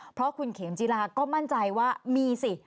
เพราะคุณเขมจีราก็มั่นใจว่ามีสิ